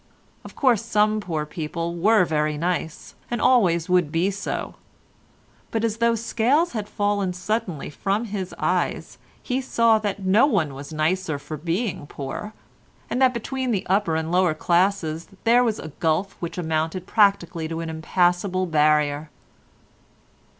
Of course some poor people were very nice, and always would be so, but as though scales had fallen suddenly from his eyes he saw that no one was nicer for being poor, and that between the upper and lower classes there was a gulf which amounted practically to an impassable barrier.